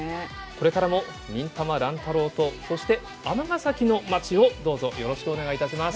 これからも「忍たま乱太郎」とそして尼崎の町をどうぞよろしくお願いいたします。